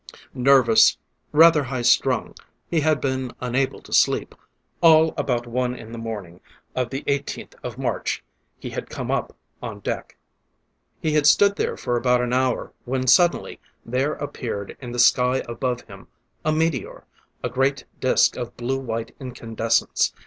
Nervous, rather high strung, he had been unable to sleep; at about one in the morning of the 18th of March, he had come up on deck. He had stood there for about an hour when suddenly there appeared in the sky above him, a meteor, a great disc of blue white incandescence.